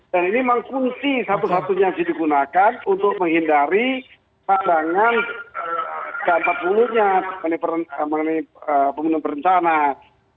dan ini mengkunci satu satunya yang digunakan untuk menghindari pandangan ke empat puluh nya mengenai pembunuhan perencanaan